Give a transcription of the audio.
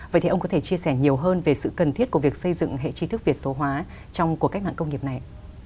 vậy thì ông có thể chia sẻ nhiều hơn về sự cần thiết của việc xây dựng hệ trí thức việt số hóa trong cuộc cách mạng công nghiệp này